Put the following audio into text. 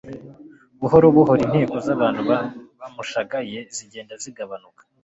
Buhoro buhoro inteko z'abantu bamushagaye zigenda zigabanuka.